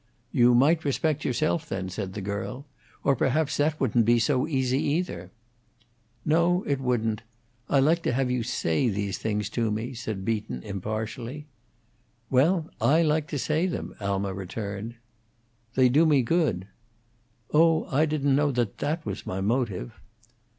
"You might respect yourself, then," said the girl. "Or perhaps that wouldn't be so easy, either." "No, it wouldn't. I like to have you say these things to me," said Beaton, impartially. "Well, I like to say them," Alma returned. "They do me good." "Oh, I don't know that that was my motive."